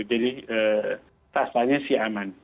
jadi tasannya sih aman